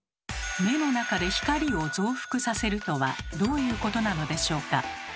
目の中で光を増幅させるとはどういうことなのでしょうか？